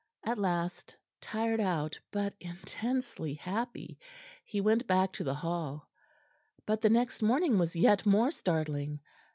At last, tired out, but intensely happy, he went back to the Hall. But the next morning was yet more startling.